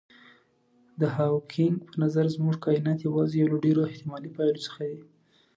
د هاوکېنګ په نظر زموږ کاینات یوازې یو له ډېرو احتمالي پایلو څخه دی.